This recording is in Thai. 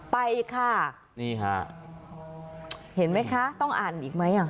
ไปค่ะนี่ฮะเห็นไหมคะต้องอ่านอีกไหมอ่ะ